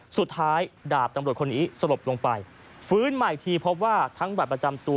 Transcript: สุดท้ายดาบตำรวจคนนี้สลบลงไปฟื้นใหม่ทีพบว่าทั้งบัตรประจำตัว